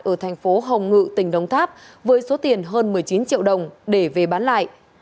ở thành phố hồng ngự tỉnh đông tháp với số tiền hơn một mươi chín triệu đồng để về bán lại